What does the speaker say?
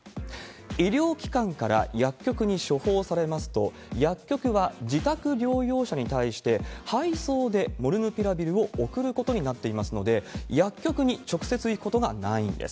医療機関から薬局に処方されますと、薬局は自宅療養者に対して配送でモルヌピラビルを送ることになっていますので、薬局に直接行くことがないんです。